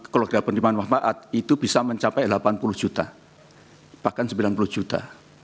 keluarga penerimaan manfaat itu bisa mencapai delapan puluh juta bahkan sembilan puluh juta